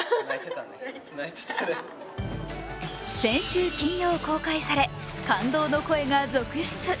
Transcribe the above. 先週金曜公開され、感動の声が続出。